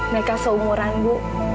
mereka seumuran bu